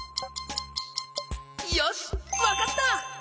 よしわかった！